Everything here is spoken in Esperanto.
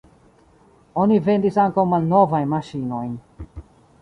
Oni vendis ankaŭ malnovajn maŝinojn.